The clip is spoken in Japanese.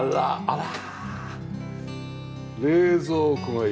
あら。